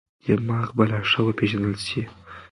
دماغ به لا ښه وپېژندل شي.